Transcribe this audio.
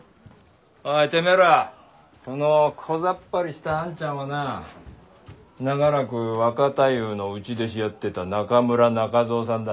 おいてめえらこのこざっぱりしたあんちゃんはな長らく若太夫の内弟子やってた中村中蔵さんだ。